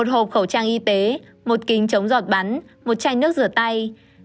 một hộp khẩu trang y tế một kính chống giọt bắn một chai nước rửa tay